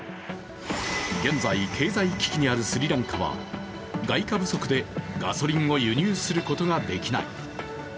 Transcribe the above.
現在、経済危機にあるスリランカは外貨不足でガソリンを輸入することができない。